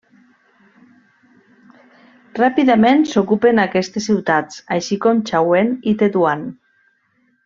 Ràpidament s'ocupen aquestes ciutats, així com Xauen i Tetuan.